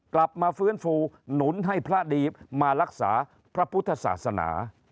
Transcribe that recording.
กลับมาฟื้นฟูหนุนให้พระดีมารักษาพระพุทธศาสนา